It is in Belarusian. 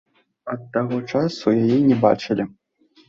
Ад таго часу яе не бачылі.